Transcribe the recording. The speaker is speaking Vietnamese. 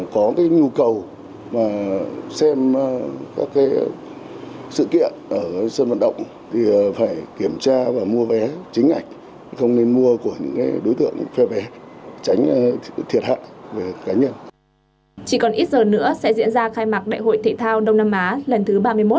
chỉ còn ít giờ nữa sẽ diễn ra khai mạc đại hội thể thao đông nam á lần thứ ba mươi một